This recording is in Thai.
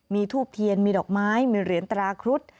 มีทูบเทียนมีดอกไม้มีเหรียญตราครุฑ